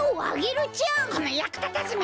このやくたたずめ！